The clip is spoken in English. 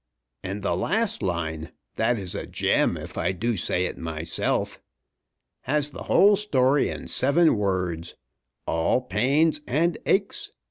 And the last line! That is a gem, if I do say it myself. Has the whole story in seven words. 'All pains and aches!'